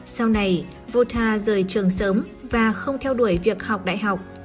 sau này volta rời trường sớm và không theo đuổi việc học đại học